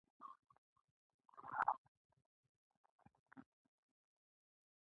د افغانستان جغرافیه کې ښتې ستر اهمیت لري.